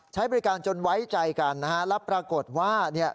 ใช้บริการจนไว้ใจกันนะฮะแล้วปรากฏว่าเนี่ย